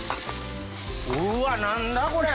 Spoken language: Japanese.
うわ何だこれ！